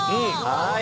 はい。